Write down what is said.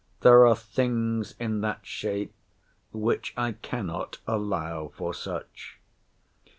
There are things in that shape which I cannot allow for such.